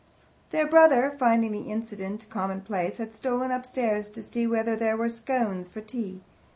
Their brother, finding the incident commonplace, had stolen upstairs to see whether there were scones for tea.